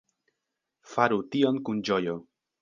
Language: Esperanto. Faru tion kun ĝojo.